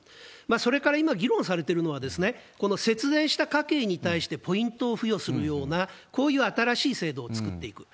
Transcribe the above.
それから今、議論されてるのは、この節電した家計に対してポイントを付与するような、こういう新しい制度を作っていく。